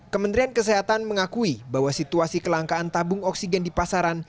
kementerian kesehatan mengakui bahwa situasi kelangkaan tabung oksigen di pasaran